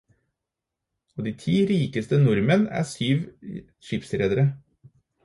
Av de ti rikeste nordmenn, er syv skipsredere.